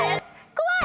怖い！